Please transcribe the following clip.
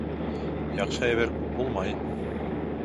Яҡшы әйбер күп булмай.